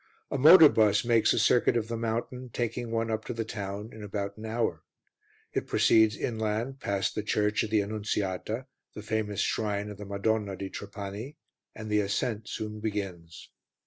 A motor bus makes a circuit of the mountain, taking one up to the town in about an hour. It proceeds inland, past the church of the Annunziata, the famous shrine of the Madonna di Trapani, and the ascent soon begins.